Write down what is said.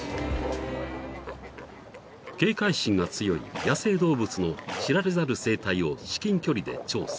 ［警戒心が強い野生動物の知られざる生態を至近距離で調査］